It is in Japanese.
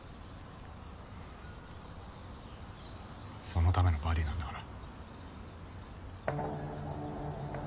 そのためのバディなんだから。